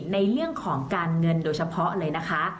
ในเรื่องของการเงินโดยเฉพาะเลยนะคะ